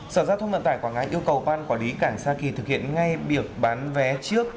sở giao thông vận tải quảng ngãi yêu cầu ban quản lý cảng sa kỳ thực hiện ngay việc bán vé trước